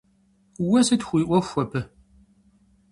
Уэ сыт хуиӀуэху абы?